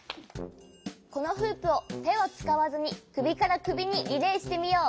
このフープをてをつかわずにくびからくびにリレーしてみよう。